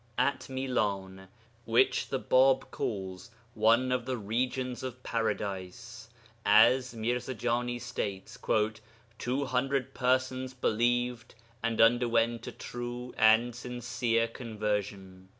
At Milan (which the Bāb calls 'one of the regions of Paradise'), as Mirza Jani states, 'two hundred persons believed and underwent a true and sincere conversion.'